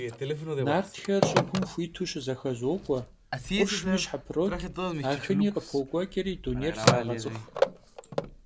Нартхэр щӀыгум хуиту щызэхэзокӀуэ, къуршми щхьэпрокӀ, Ахыни къыпокӀуэкӀри дунейр зрагъэцӀыху.